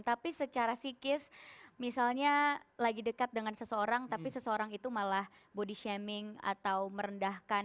tapi secara psikis misalnya lagi dekat dengan seseorang tapi seseorang itu malah body shaming atau merendahkan